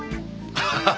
ハハハハ！